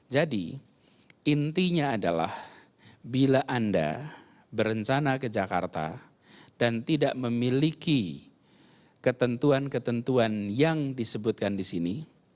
jadi intinya adalah bila anda berencana ke jakarta dan tidak memiliki ketentuan ketentuan yang disebutkan di sini